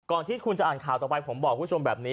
ที่คุณจะอ่านข่าวต่อไปผมบอกคุณผู้ชมแบบนี้